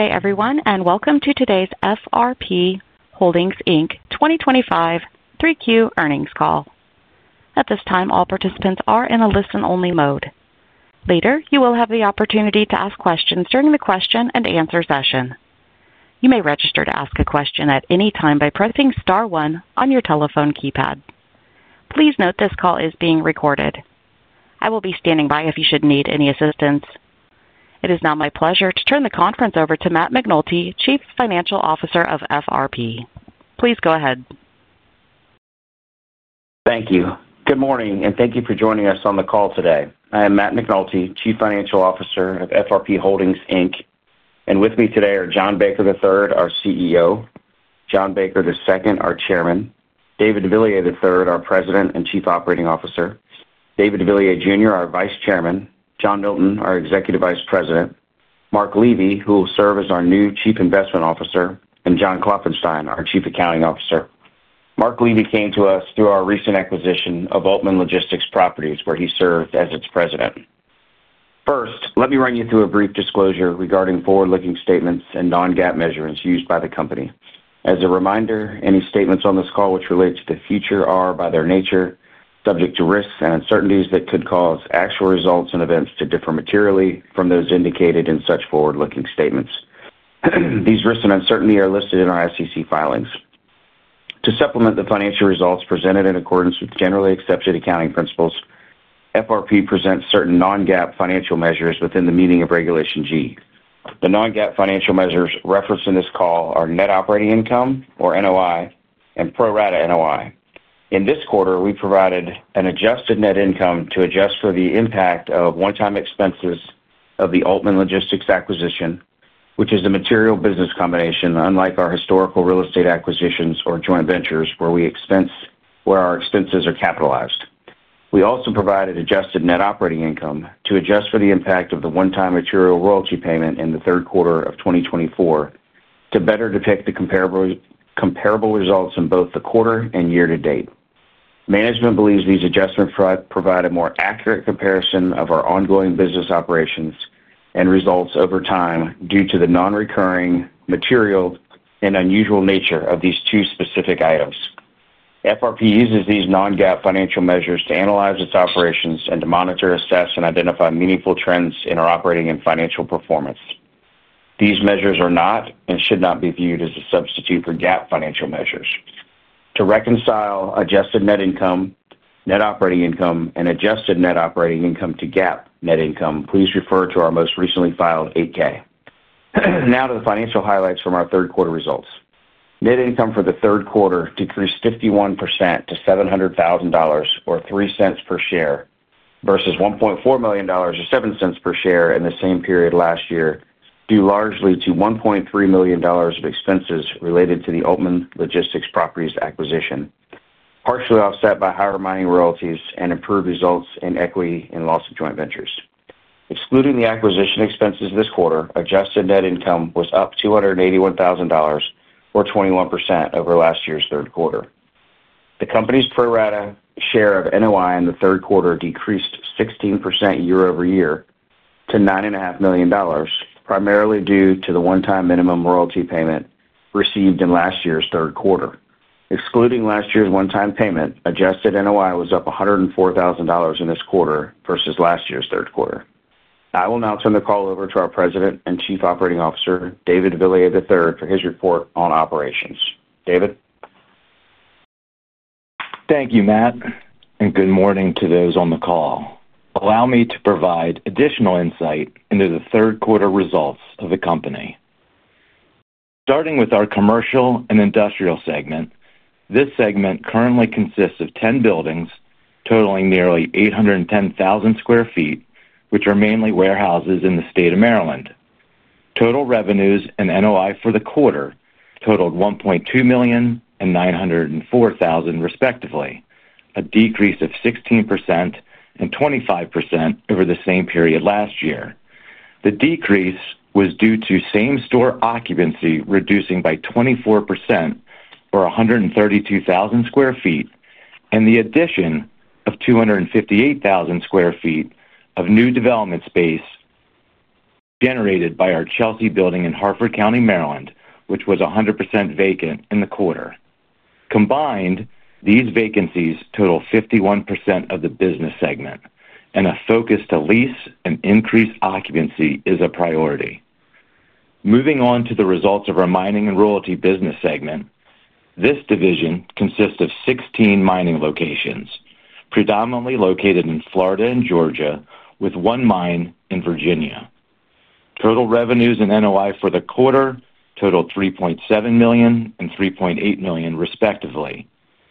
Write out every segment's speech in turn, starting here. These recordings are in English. Hey, everyone, and welcome to today's FRP Holdings Inc. 2025 3Q earnings call. At this time, all participants are in a listen-only mode. Later, you will have the opportunity to ask questions during the question and answer session. You may register to ask a question at any time by pressing Star one on your telephone keypad. Please note this call is being recorded. I will be standing by if you should need any assistance. It is now my pleasure to turn the conference over to Matt McNulty, Chief Financial Officer of FRP. Please go ahead. Thank you. Good morning, and thank you for joining us on the call today. I am Matt McNulty, Chief Financial Officer of FRP Holdings Inc., and with me today are John Baker III, our CEO, John Baker II, our Chairman, David de Villiers III, our President and Chief Operating Officer, David de Villiers Jr., our Vice Chairman, John Milton, our Executive Vice President, Mark Levy, who will serve as our new Chief Investment Officer, and John Klopfenstein, our Chief Accounting Officer. Mark Levy came to us through our recent acquisition of Altman Logistics Properties, where he served as its President. First, let me run you through a brief disclosure regarding forward-looking statements and non-GAAP measures used by the company. As a reminder, any statements on this call which relate to the future are, by their nature, subject to risks and uncertainties that could cause actual results and events to differ materially from those indicated in such forward-looking statements. These risks and uncertainties are listed in our SEC filings. To supplement the financial results presented in accordance with generally accepted accounting principles, FRP presents certain non-GAAP financial measures within the meaning of Regulation G. The non-GAAP financial measures referenced in this call are net operating income, or NOI, and pro rata NOI. In this quarter, we provided an adjusted net income to adjust for the impact of one-time expenses of the Altman Logistics Properties acquisition, which is a material business combination, unlike our historical real estate acquisitions or joint ventures, where our expenses are capitalized. We also provided adjusted net operating income to adjust for the impact of the one-time material royalty payment in the third quarter of 2024 to better depict the comparable results in both the quarter and year-to-date. Management believes these adjustments provide a more accurate comparison of our ongoing business operations and results over time due to the non-recurring material and unusual nature of these two specific items. FRP uses these non-GAAP financial measures to analyze its operations and to monitor, assess, and identify meaningful trends in our operating and financial performance. These measures are not and should not be viewed as a substitute for GAAP financial measures. To reconcile adjusted net income, net operating income, and adjusted net operating income to GAAP net income, please refer to our most recently filed 8-K. Now to the financial highlights from our third quarter results. Net income for the third quarter decreased 51% to $700,000, or $0.03 per share, versus $1.4 million, or $0.07 per share, in the same period last year due largely to $1.3 million of expenses related to the Altman Logistics Properties acquisition, partially offset by higher mining royalties and improved results in equity and loss of joint ventures. Excluding the acquisition expenses this quarter, adjusted net income was up $281,000, or 21% over last year's third quarter. The company's pro rata share of NOI in the third quarter decreased 16% year-over-year to $9.5 million, primarily due to the one-time minimum royalty payment received in last year's third quarter. Excluding last year's one-time payment, adjusted NOI was up $104,000 in this quarter versus last year's third quarter. I will now turn the call over to our President and Chief Operating Officer, David de Villiers, III, for his report on operations. David. Thank you, Matt, and good morning to those on the call. Allow me to provide additional insight into the third quarter results of the company. Starting with our commercial and industrial segment, this segment currently consists of 10 buildings totaling nearly 810,000 sq ft, which are mainly warehouses in the state of Maryland. Total revenues and NOI for the quarter totaled $1.2 million and $904,000, respectively, a decrease of 16% and 25% over the same period last year. The decrease was due to same-store occupancy reducing by 24%. For 132,000 sq ft and the addition of 258,000 sq ft of new development space. Generated by our Chelsea building in Harford County, Maryland, which was 100% vacant in the quarter. Combined, these vacancies total 51% of the business segment, and a focus to lease and increase occupancy is a priority. Moving on to the results of our mining and royalty business segment, this division consists of 16 mining locations, predominantly located in Florida and Georgia, with one mine in Virginia. Total revenues and NOI for the quarter totaled $3.7 million and $3.8 million, respectively,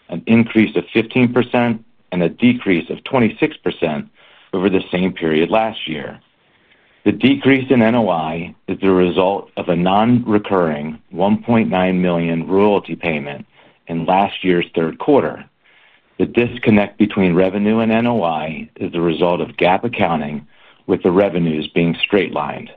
an increase of 15% and a decrease of 26% over the same period last year. The decrease in NOI is the result of a non-recurring $1.9 million royalty payment in last year's third quarter. The disconnect between revenue and NOI is the result of GAAP accounting, with the revenues being straight-lined.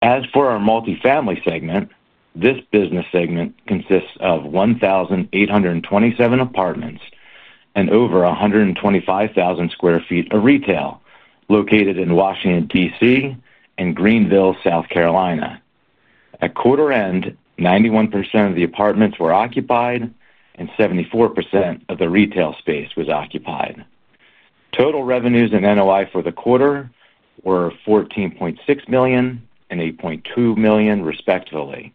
As for our multifamily segment, this business segment consists of 1,827 apartments and over 125,000 sq ft of retail located in Washington, D.C., and Greenville, South Carolina. At quarter-end, 91% of the apartments were occupied, and 74% of the retail space was occupied. Total revenues and NOI for the quarter were $14.6 million and $8.2 million, respectively.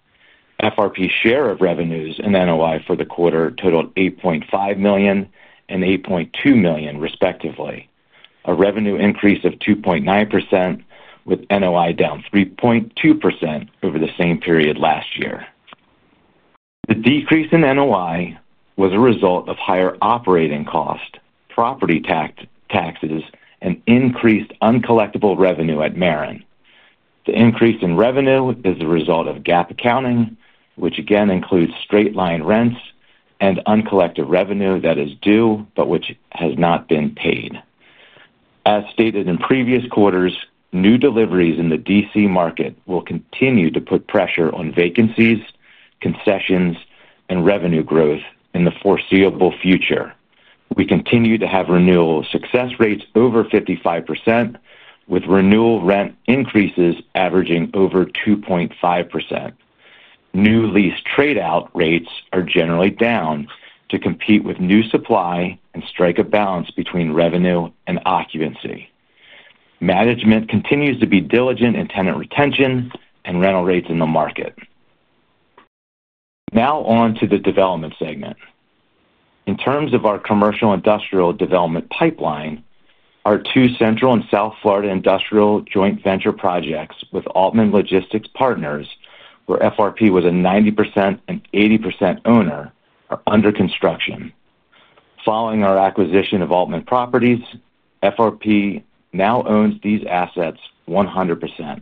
FRP's share of revenues and NOI for the quarter totaled $8.5 million and $8.2 million, respectively, a revenue increase of 2.9%, with NOI down 3.2% over the same period last year. The decrease in NOI was a result of higher operating costs, property taxes, and increased uncollectable revenue at Maren. The increase in revenue is the result of GAAP accounting, which again includes straight-line rents and uncollectable revenue that is due but which has not been paid. As stated in previous quarters, new deliveries in the D.C. market will continue to put pressure on vacancies, concessions, and revenue growth in the foreseeable future. We continue to have renewal success rates over 55%, with renewal rent increases averaging over 2.5%. New lease trade-out rates are generally down to compete with new supply and strike a balance between revenue and occupancy. Management continues to be diligent in tenant retention and rental rates in the market. Now on to the development segment. In terms of our commercial industrial development pipeline, our two Central and South Florida industrial joint venture projects with Altman Logistics Properties, where FRP was a 90% and 80% owner, are under construction. Following our acquisition of Altman Logistics Properties, FRP now owns these assets 100%.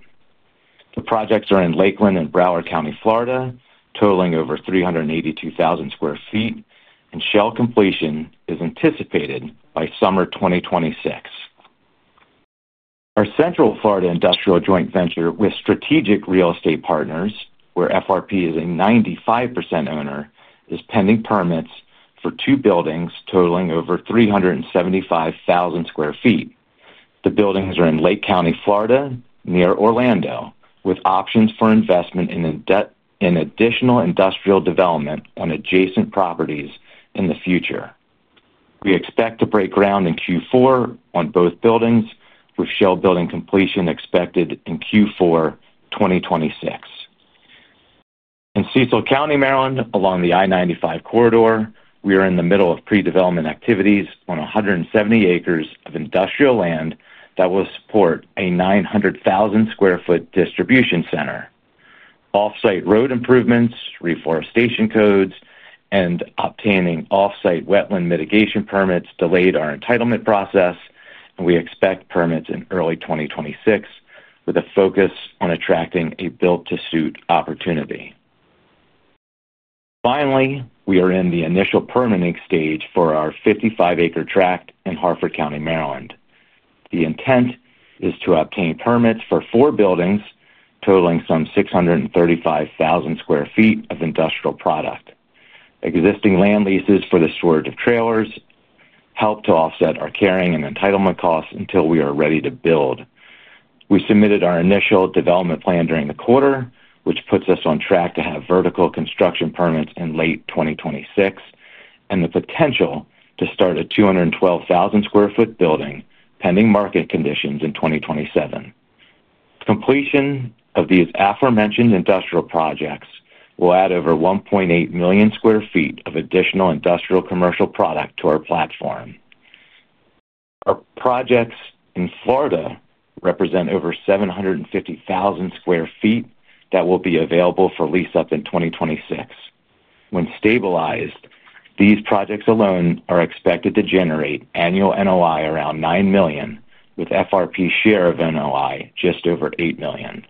The projects are in Lakeland and Broward County, Florida, totaling over 382,000 sq ft, and Shell completion is anticipated by summer 2026. Our Central Florida industrial joint venture with Strategic Real Estate Partners, where FRP is a 95% owner, is pending permits for two buildings totaling over 375,000 sq ft. The buildings are in Lake County, Florida, near Orlando, with options for investment in. Additional industrial development on adjacent properties in the future. We expect to break ground in Q4 on both buildings, with shell building completion expected in Q4 2026. In Cecil County, Maryland, along the I-95 corridor, we are in the middle of pre-development activities on 170 acres of industrial land that will support a 900,000 sq ft distribution center. Off-site road improvements, reforestation codes, and obtaining off-site wetland mitigation permits delayed our entitlement process, and we expect permits in early 2026, with a focus on attracting a build-to-suit opportunity. Finally, we are in the initial permitting stage for our 55-acre tract in Harford County, Maryland. The intent is to obtain permits for four buildings totaling some 635,000 sq ft of industrial product. Existing land leases for the storage of trailers help to offset our carrying and entitlement costs until we are ready to build. We submitted our initial development plan during the quarter, which puts us on track to have vertical construction permits in late 2026 and the potential to start a 212,000 sq ft building pending market conditions in 2027. Completion of these aforementioned industrial projects will add over 1.8 million sq ft of additional industrial commercial product to our platform. Our projects in Florida represent over 750,000 sq ft that will be available for lease up in 2026. When stabilized, these projects alone are expected to generate annual NOI around $9 million, with FRP's share of NOI just over $8 million.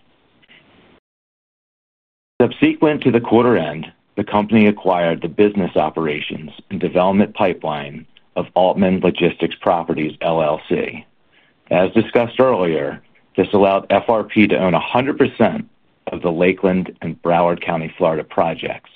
Subsequent to the quarter-end, the company acquired the business operations and development pipeline of Altman Logistics Properties LLC. As discussed earlier, this allowed FRP to own 100% of the Lakeland and Broward County, Florida, projects.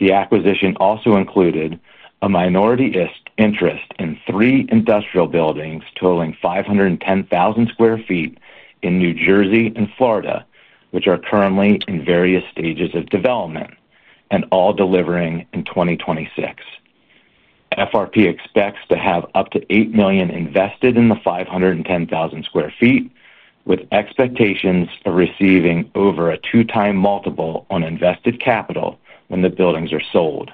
The acquisition also included a minority interest in three industrial buildings totaling 510,000 sq ft in New Jersey and Florida, which are currently in various stages of development and all delivering in 2026. FRP expects to have up to $8 million invested in the 510,000 sq ft, with expectations of receiving over a 2x multiple on invested capital when the buildings are sold.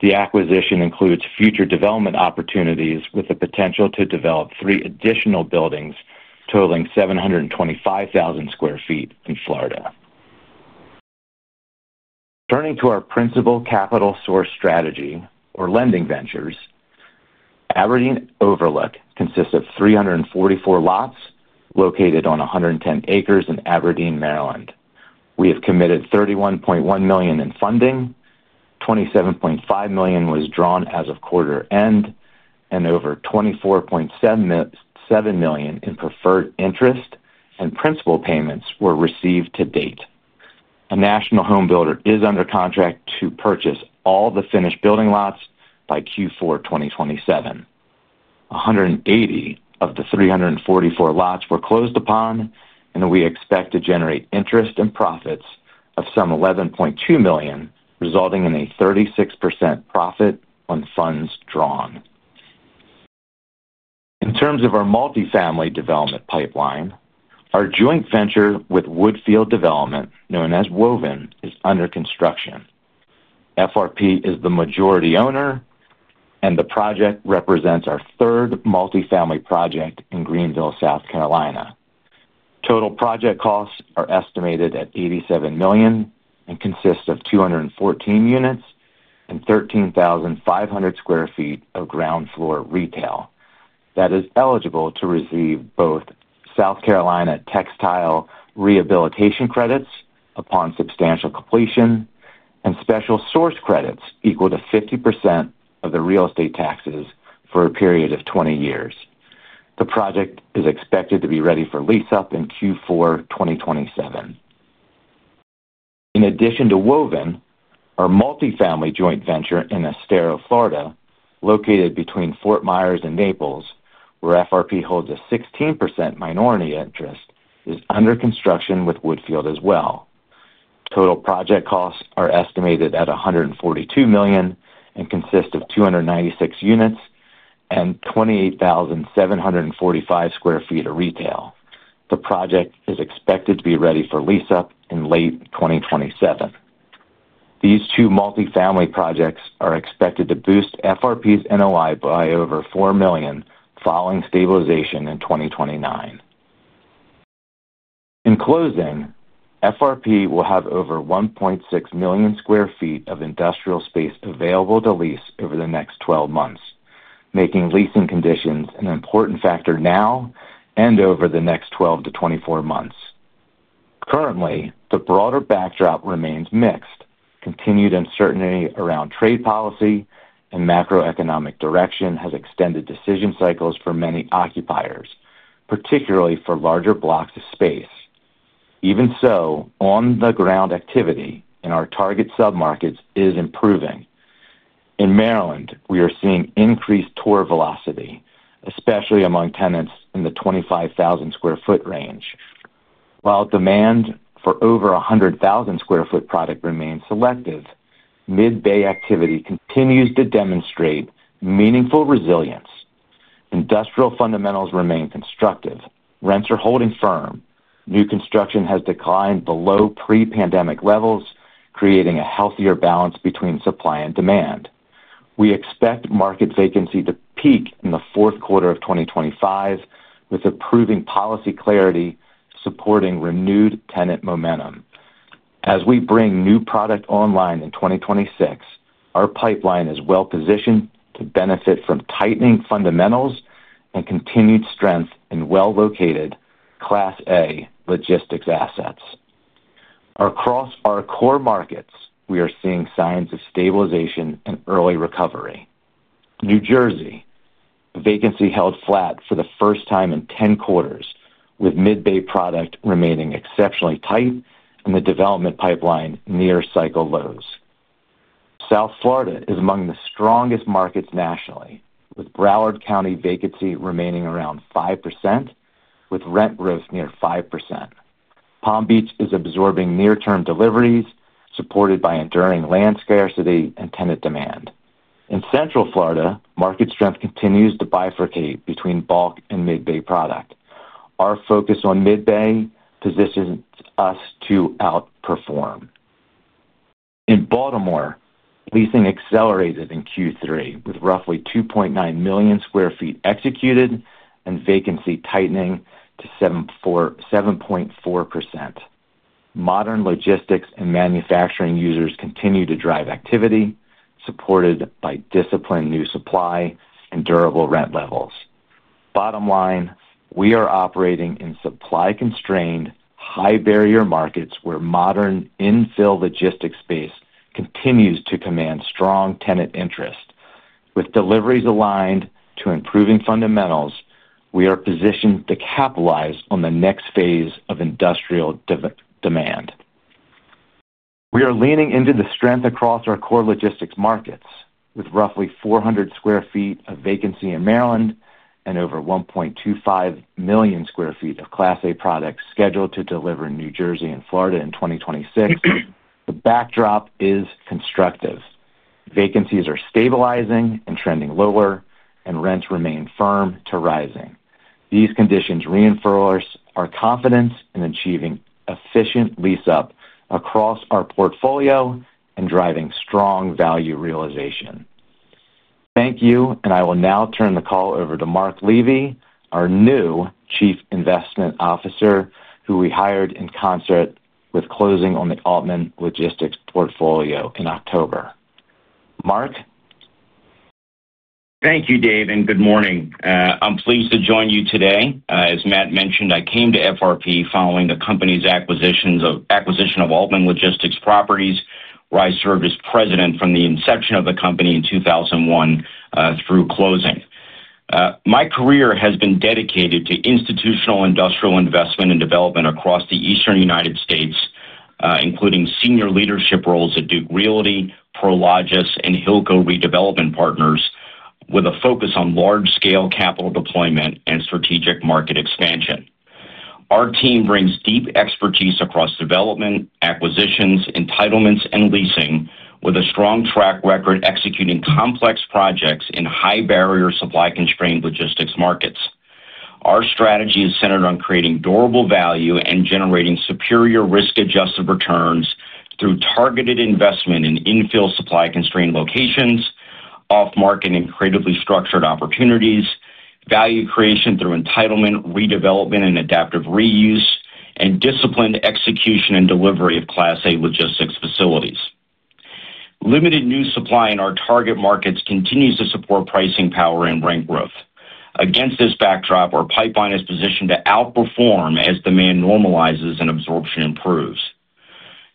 The acquisition includes future development opportunities with the potential to develop three additional buildings totaling 725,000 sq ft in Florida. Turning to our principal capital source strategy, or lending ventures. Aberdeen Overlook consists of 344 lots located on 110 acres in Aberdeen, Maryland. We have committed $31.1 million in funding. $27.5 million was drawn as of quarter-end, and over $24.7 million in preferred interest and principal payments were received to date. A National Home Builder is under contract to purchase all the finished building lots by Q4 2027. 180 of the 344 lots were closed upon, and we expect to generate interest and profits of some $11.2 million, resulting in a 36% profit on funds drawn. In terms of our multifamily development pipeline, our joint venture with Woodfield Development, known as Woolden, is under construction. FRP is the majority owner, and the project represents our third multifamily project in Greenville, South Carolina. Total project costs are estimated at $87 million and consist of 214 units and 13,500 sq ft of ground floor retail that is eligible to receive both South Carolina textile rehabilitation credits upon substantial completion and special source credits equal to 50% of the real estate taxes for a period of 20 years. The project is expected to be ready for lease up in Q4 2027. In addition to Woolden, our multifamily joint venture in Estero, Florida, located between Fort Myers and Naples, where FRP holds a 16% minority interest, is under construction with Woodfield as well. Total project costs are estimated at $142 million and consist of 296 units and 28,745 sq ft of retail. The project is expected to be ready for lease up in late 2027. These two multifamily projects are expected to boost FRP's NOI by over $4 million following stabilization in 2029. In closing, FRP will have over 1.6 million sq ft of industrial space available to lease over the next 12 months, making leasing conditions an important factor now and over the next 12-24 months. Currently, the broader backdrop remains mixed. Continued uncertainty around trade policy and macroeconomic direction has extended decision cycles for many occupiers, particularly for larger blocks of space. Even so, on-the-ground activity in our target submarkets is improving. In Maryland, we are seeing increased tour velocity, especially among tenants in the 25,000 sq ft range. While demand for over 100,000 sq ft product remains selective, mid-bay activity continues to demonstrate meaningful resilience. Industrial fundamentals remain constructive. Rents are holding firm. New construction has declined below pre-pandemic levels, creating a healthier balance between supply and demand. We expect market vacancy to peak in the fourth quarter of 2025, with improving policy clarity supporting renewed tenant momentum. As we bring new product online in 2026, our pipeline is well-positioned to benefit from tightening fundamentals and continued strength in well-located Class A logistics assets. Across our core markets, we are seeing signs of stabilization and early recovery. New Jersey. Vacancy held flat for the first time in 10 quarters, with mid-bay product remaining exceptionally tight and the development pipeline near cycle lows. South Florida is among the strongest markets nationally, with Broward County vacancy remaining around 5%, with rent growth near 5%. Palm Beach is absorbing near-term deliveries, supported by enduring land scarcity and tenant demand. In Central Florida, market strength continues to bifurcate between bulk and mid-bay product. Our focus on mid-bay positions us to outperform. In Baltimore, leasing accelerated in Q3, with roughly 2.9 million sq ft executed and vacancy tightening to 7.4%. Modern logistics and manufacturing users continue to drive activity, supported by disciplined new supply and durable rent levels. Bottom line, we are operating in supply-constrained, high-barrier markets where modern infill logistics space continues to command strong tenant interest. With deliveries aligned to improving fundamentals, we are positioned to capitalize on the next phase of industrial demand. We are leaning into the strength across our core logistics markets, with roughly 400 sq ft of vacancy in Maryland and over 1.25 million sq ft of Class A product scheduled to deliver in New Jersey and Florida in 2026. The backdrop is constructive. Vacancies are stabilizing and trending lower, and rents remain firm to rising. These conditions reinforce our confidence in achieving efficient lease up across our portfolio and driving strong value realization. Thank you, and I will now turn the call over to Mark Levy, our new Chief Investment Officer, who we hired in concert with closing on the Altman Logistics portfolio in October. Mark. Thank you, David. Good morning. I'm pleased to join you today. As Matt mentioned, I came to FRP following the company's acquisition of Altman Logistics Properties. I served as president from the inception of the company in 2001 through closing. My career has been dedicated to institutional industrial investment and development across the Eastern United States, including senior leadership roles at Duke Realty, Prologis, and Hilco Redevelopment Partners, with a focus on large-scale capital deployment and strategic market expansion. Our team brings deep expertise across development, acquisitions, entitlements, and leasing, with a strong track record executing complex projects in high-barrier, supply-constrained logistics markets. Our strategy is centered on creating durable value and generating superior risk-adjusted returns through targeted investment in infill supply-constrained locations, off-market and creatively structured opportunities, value creation through entitlement, redevelopment, and adaptive reuse, and disciplined execution and delivery of Class A logistics facilities. Limited new supply in our target markets continues to support pricing power and rent growth. Against this backdrop, our pipeline is positioned to outperform as demand normalizes and absorption improves.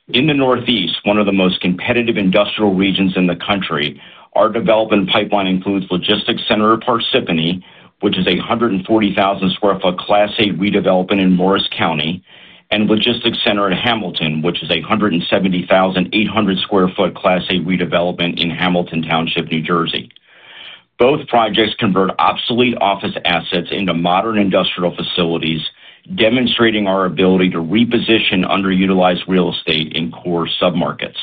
In the Northeast, one of the most competitive industrial regions in the country, our development pipeline includes Logistics Center at Parsippany, which is a 140,000 sq ft Class A redevelopment in Morris County, and Logistics Center at Hamilton, which is a 170,800 sq ft Class A redevelopment in Hamilton Township, New Jersey. Both projects convert obsolete office assets into modern industrial facilities, demonstrating our ability to reposition underutilized real estate in core submarkets.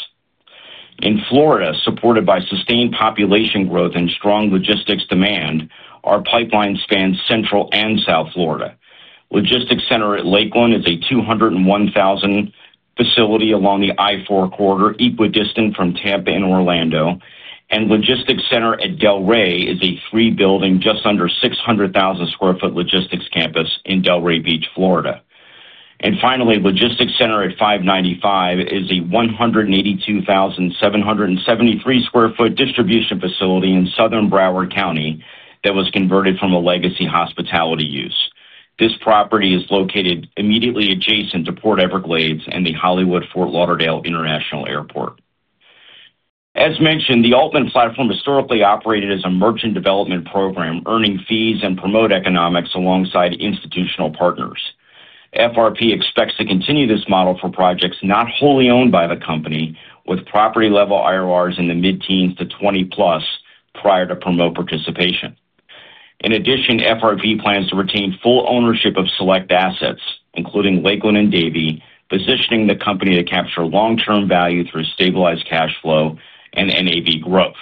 In Florida, supported by sustained population growth and strong logistics demand, our pipeline spans Central and South Florida. Logistics Center at Lakeland is a 201,000 sq ft facility along the I-4 corridor, equidistant from Tampa and Orlando, and Logistics Center at Del Rey is a three-building, just under 600,000 sq ft logistics campus in Delray Beach, Florida. Finally, Logistics Center at 595 is a 182,773 sq ft distribution facility in Southern Broward County that was converted from a legacy hospitality use. This property is located immediately adjacent to Port Everglades and the Hollywood Fort Lauderdale International Airport. As mentioned, the Altman platform historically operated as a merchant development program, earning fees and promote economics alongside institutional partners. FRP expects to continue this model for projects not wholly owned by the company, with property-level IORs in the mid-teens to 20% prior to promote participation. In addition, FRP plans to retain full ownership of select assets, including Lakeland and Davey, positioning the company to capture long-term value through stabilized cash flow and NAV growth.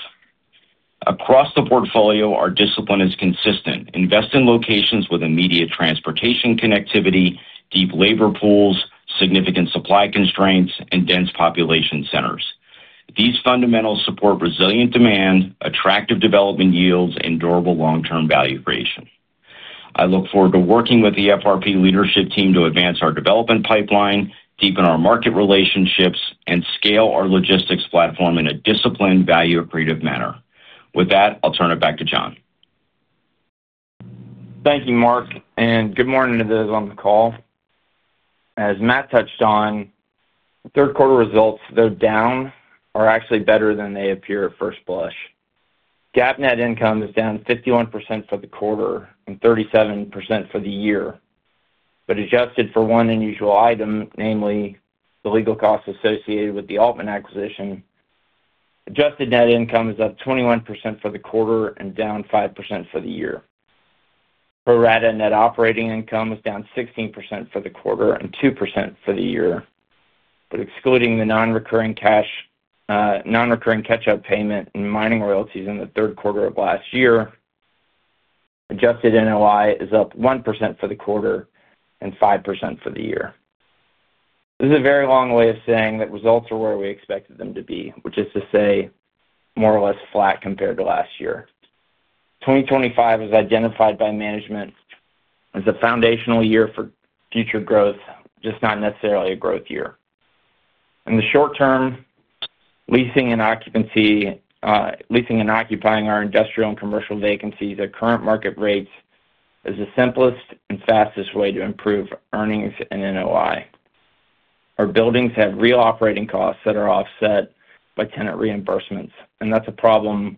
Across the portfolio, our discipline is consistent: invest in locations with immediate transportation connectivity, deep labor pools, significant supply constraints, and dense population centers. These fundamentals support resilient demand, attractive development yields, and durable long-term value creation. I look forward to working with the FRP leadership team to advance our development pipeline, deepen our market relationships, and scale our logistics platform in a disciplined, value-accretive manner. With that, I'll turn it back to John. Thank you, Mark, and good morning to those on the call. As Matt touched on, third-quarter results, though down, are actually better than they appear at first blush. GAAP net income is down 51% for the quarter and 37% for the year, but adjusted for one unusual item, namely the legal costs associated with the Altman acquisition, adjusted net income is up 21% for the quarter and down 5% for the year. Pro rata net operating income was down 16% for the quarter and 2% for the year. Excluding the non-recurring catch-up payment and mining royalties in the third quarter of last year, adjusted NOI is up 1% for the quarter and 5% for the year. This is a very long way of saying that results are where we expected them to be, which is to say, more or less flat compared to last year. 2025 is identified by management as a foundational year for future growth, just not necessarily a growth year. In the short term, leasing and occupying our industrial and commercial vacancies at current market rates is the simplest and fastest way to improve earnings and NOI. Our buildings have real operating costs that are offset by tenant reimbursements, and that's a problem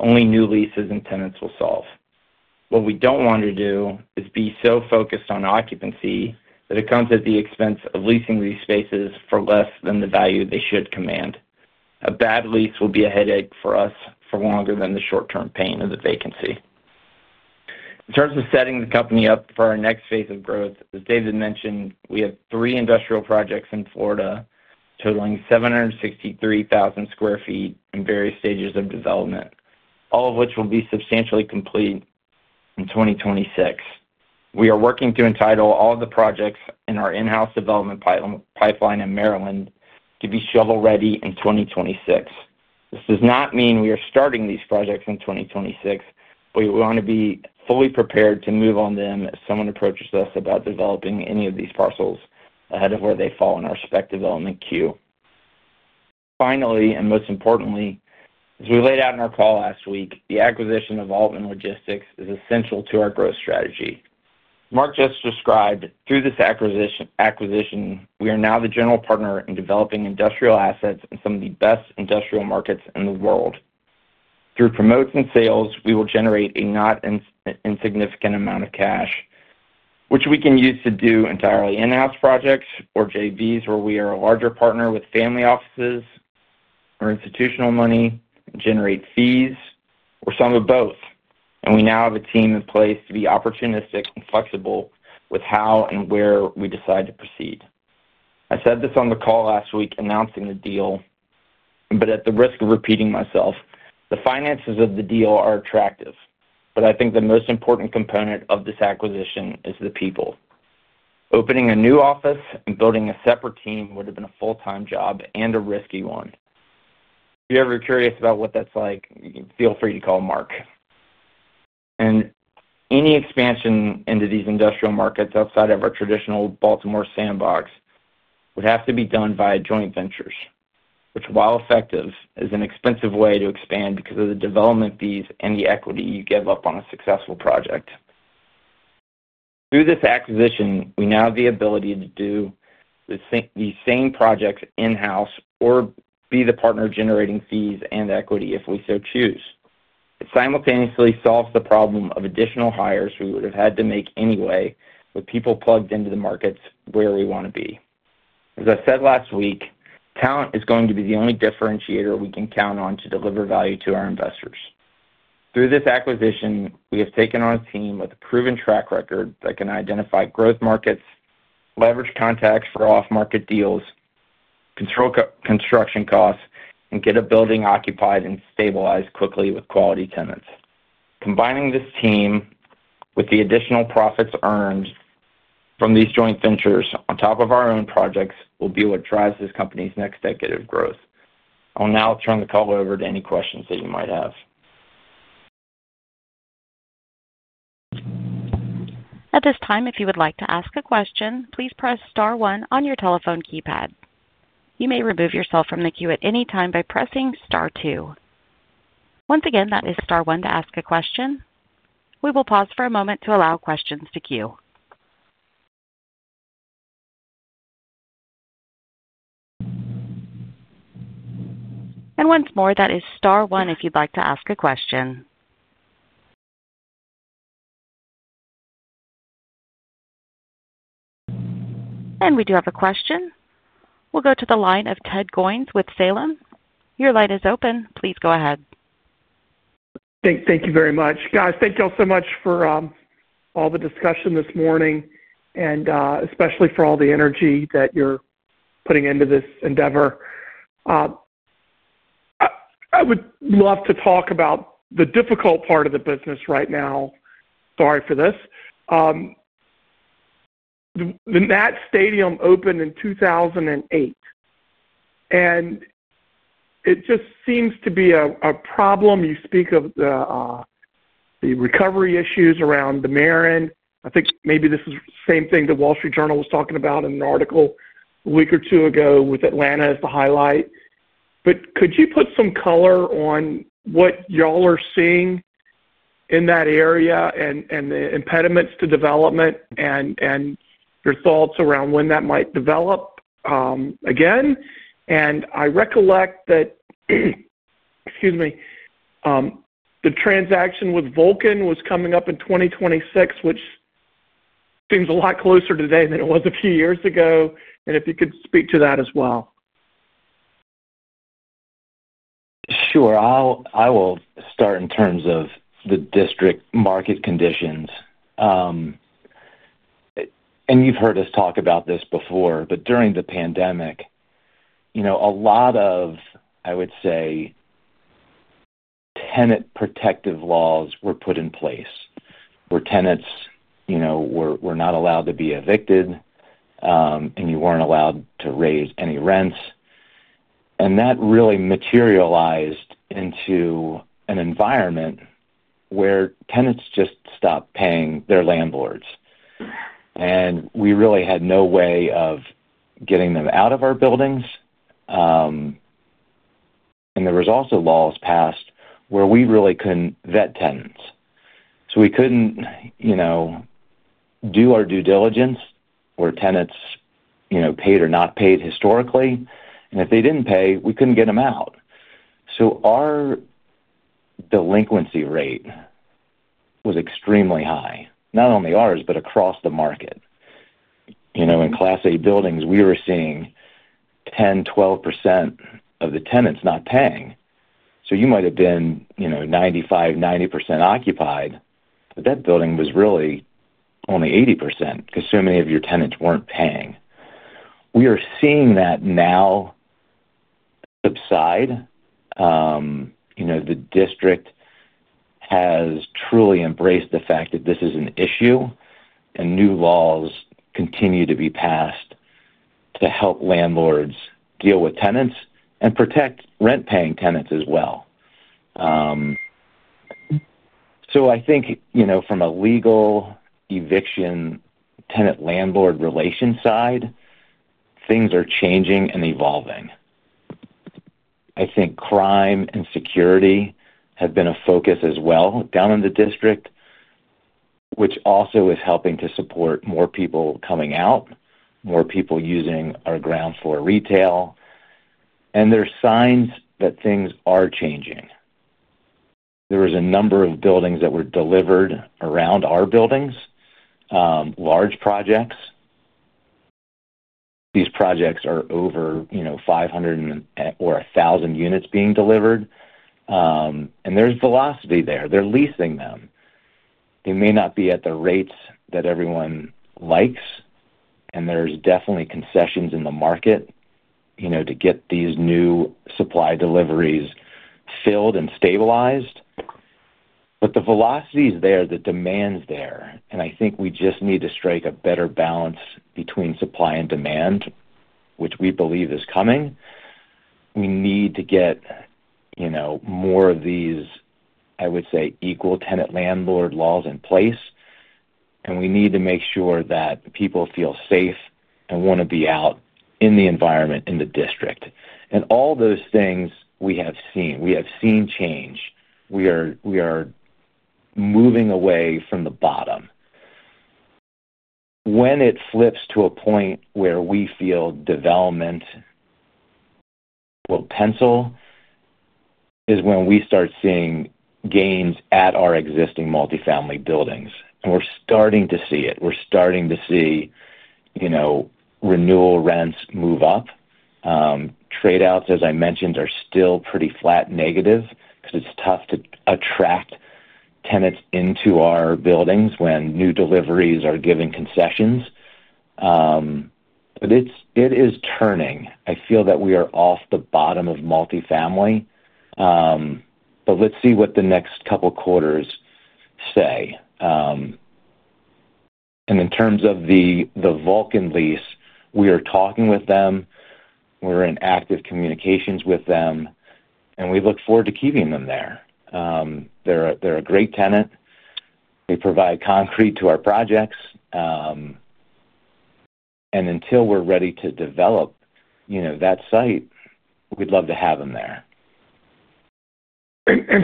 only new leases and tenants will solve. What we don't want to do is be so focused on occupancy that it comes at the expense of leasing these spaces for less than the value they should command. A bad lease will be a headache for us for longer than the short-term pain of the vacancy. In terms of setting the company up for our next phase of growth, as David mentioned, we have three industrial projects in Florida totaling 763,000 sq ft in various stages of development, all of which will be substantially complete in 2026. We are working to entitle all of the projects in our in-house development pipeline in Maryland to be shovel ready in 2026. This does not mean we are starting these projects in 2026, but we want to be fully prepared to move on them if someone approaches us about developing any of these parcels ahead of where they fall in our spec development queue. Finally, and most importantly, as we laid out in our call last week, the acquisition of Altman Logistics is essential to our growth strategy. Mark just described, through this acquisition, we are now the general partner in developing industrial assets in some of the best industrial markets in the world. Through promotes and sales, we will generate a not insignificant amount of cash, which we can use to do entirely in-house projects or JVs where we are a larger partner with family offices or institutional money, generate fees, or some of both. We now have a team in place to be opportunistic and flexible with how and where we decide to proceed. I said this on the call last week announcing the deal. At the risk of repeating myself, the finances of the deal are attractive, but I think the most important component of this acquisition is the people. Opening a new office and building a separate team would have been a full-time job and a risky one. If you're ever curious about what that's like, feel free to call Mark. Any expansion into these industrial markets outside of our traditional Baltimore sandbox would have to be done via joint ventures, which, while effective, is an expensive way to expand because of the development fees and the equity you give up on a successful project. Through this acquisition, we now have the ability to do. The same projects in-house or be the partner generating fees and equity if we so choose. It simultaneously solves the problem of additional hires we would have had to make anyway with people plugged into the markets where we want to be. As I said last week, talent is going to be the only differentiator we can count on to deliver value to our investors. Through this acquisition, we have taken on a team with a proven track record that can identify growth markets, leverage contacts for off-market deals, control construction costs, and get a building occupied and stabilized quickly with quality tenants. Combining this team with the additional profits earned from these joint ventures on top of our own projects will be what drives this company's next decade of growth. I'll now turn the call over to any questions that you might have. At this time, if you would like to ask a question, please press Star one on your telephone keypad. You may remove yourself from the queue at any time by pressing Star two. Once again, that is Star one to ask a question. We will pause for a moment to allow questions to queue. And once more, that is Star one if you'd like to ask a question. We do have a question. We'll go to the line of Ted Goins with Salem. Your line is open. Please go ahead. Thank you very much. Guys, thank y'all so much for all the discussion this morning and especially for all the energy that you're putting into this endeavor. I would love to talk about the difficult part of the business right now. Sorry for this. The Matt Stadium opened in 2008. It just seems to be a problem. You speak of the recovery issues around the Maren. I think maybe this is the same thing the Wall Street Journal was talking about in an article a week or two ago with Atlanta as the highlight. Could you put some color on what y'all are seeing in that area and the impediments to development and your thoughts around when that might develop again? I recollect that, excuse me, the transaction with Vulcan was coming up in 2026, which seems a lot closer today than it was a few years ago. If you could speak to that as well. Sure. I will start in terms of the district market conditions. You have heard us talk about this before, but during the pandemic, a lot of, I would say, tenant protective laws were put in place where tenants were not allowed to be evicted. You were not allowed to raise any rents. That really materialized into an environment where tenants just stopped paying their landlords. We really had no way of getting them out of our buildings. There were also laws passed where we really could not vet tenants, so we could not do our due diligence where tenants paid or not paid historically. If they did not pay, we could not get them out. Our delinquency rate was extremely high, not only ours but across the market. In Class A buildings, we were seeing 10%-12% of the tenants not paying. You might have been 95%-90% occupied, but that building was really only 80% because so many of your tenants were not paying. We are seeing that now subside. The district. Has truly embraced the fact that this is an issue, and new laws continue to be passed to help landlords deal with tenants and protect rent-paying tenants as well. I think from a legal eviction, tenant-landlord relation side, things are changing and evolving. I think crime and security have been a focus as well down in the district, which also is helping to support more people coming out, more people using our ground floor retail. There are signs that things are changing. There were a number of buildings that were delivered around our buildings. Large projects. These projects are over 500 or 1,000 units being delivered. There is velocity there. They are leasing them. They may not be at the rates that everyone likes, and there are definitely concessions in the market to get these new supply deliveries filled and stabilized. The velocity is there, the demand's there. I think we just need to strike a better balance between supply and demand, which we believe is coming. We need to get more of these, I would say, equal tenant-landlord laws in place. We need to make sure that people feel safe and want to be out in the environment in the district. All those things we have seen. We have seen change. We are moving away from the bottom. When it flips to a point where we feel development will pencil is when we start seeing gains at our existing multifamily buildings. We're starting to see it. We're starting to see renewal rents move up. Trade-offs, as I mentioned, are still pretty flat negative because it's tough to attract tenants into our buildings when new deliveries are giving concessions. It is turning. I feel that we are off the bottom of multifamily. Let's see what the next couple of quarters say. In terms of the Vulcan lease, we are talking with them. We're in active communications with them, and we look forward to keeping them there. They're a great tenant. They provide concrete to our projects. Until we're ready to develop that site, we'd love to have them there.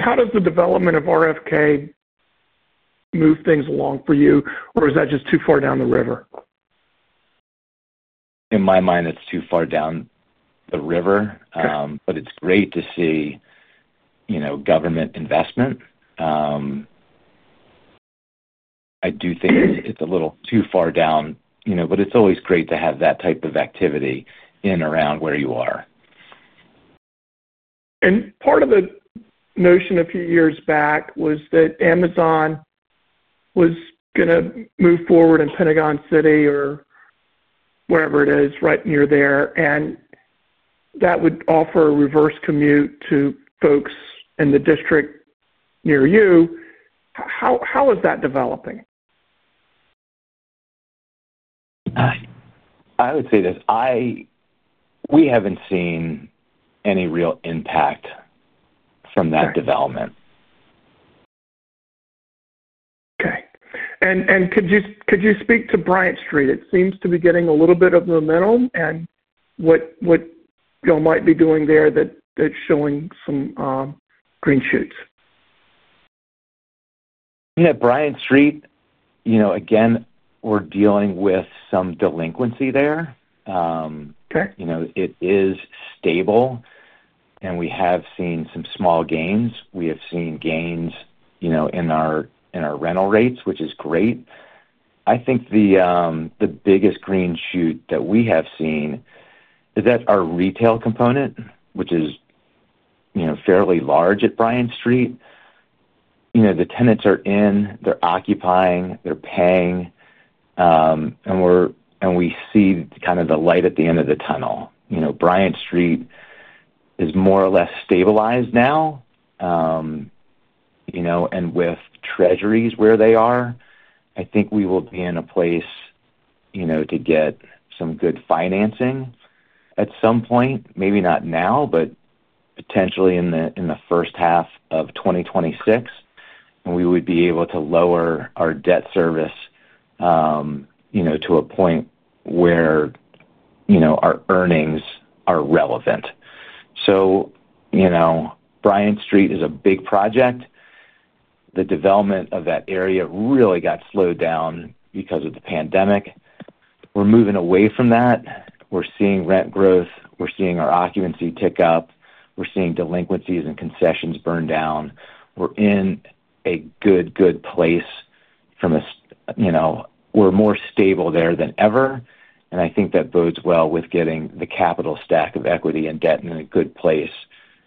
How does the development of RFK move things along for you, or is that just too far down the river? In my mind, it's too far down the river, but it's great to see government investment. I do think it's a little too far down, but it's always great to have that type of activity in and around where you are. Part of the notion a few years back was that Amazon was going to move forward in Pentagon City or wherever it is right near there. That would offer a reverse commute to folks in the district near you. How is that developing? I would say this. We have not seen any real impact from that development. Okay. Could you speak to Bryant Street? It seems to be getting a little bit of momentum, and what y'all might be doing there that is showing some green shoots. At Bryant Street, again, we are dealing with some delinquency there. It is stable, and we have seen some small gains. We have seen gains in our rental rates, which is great. I think the biggest green shoot that we have seen is that our retail component, which is fairly large at Bryant Street, the tenants are in, they are occupying, they are paying, and we see kind of the light at the end of the tunnel. Bryant Street is more or less stabilized now. With treasuries where they are, I think we will be in a place to get some good financing at some point, maybe not now, but potentially in the first half of 2026, and we would be able to lower our debt service to a point where our earnings are relevant. Bryant Street is a big project. The development of that area really got slowed down because of the pandemic. We're moving away from that. We're seeing rent growth. We're seeing our occupancy tick up. We're seeing delinquencies and concessions burn down. We're in a good, good place. We're more stable there than ever. I think that bodes well with getting the capital stack of equity and debt in a good place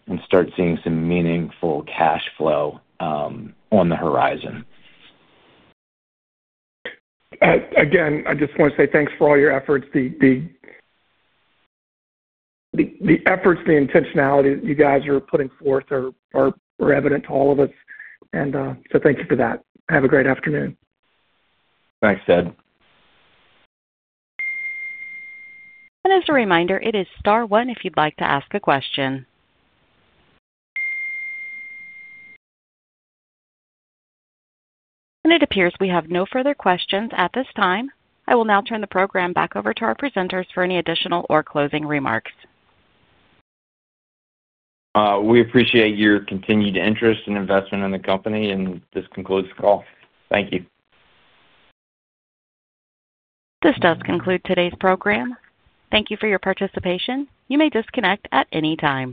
and start seeing some meaningful cash flow on the horizon. Again, I just want to say thanks for all your efforts. Efforts, the intentionality that you guys are putting forth are evident to all of us. Thank you for that. Have a great afternoon. Thanks, Ted. As a reminder, it is Star one if you'd like to ask a question. It appears we have no further questions at this time. I will now turn the program back over to our presenters for any additional or closing remarks. We appreciate your continued interest and investment in the company, and this concludes the call. Thank you. This does conclude today's program. Thank you for your participation. You may disconnect at any time.